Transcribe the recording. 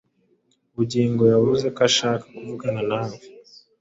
Bugingo yavuze ko ushaka kuvugana nawe.